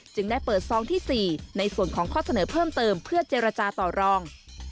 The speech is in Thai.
ได้เปิดซองที่๔ในส่วนของข้อเสนอเพิ่มเติมเพื่อเจรจาต่อรอง